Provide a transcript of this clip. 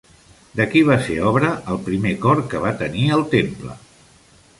De qui va ser obra el primer cor que va tenir el temple?